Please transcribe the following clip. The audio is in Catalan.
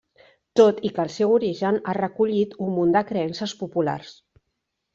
Tot i que el seu origen ha recollit un munt de creences populars.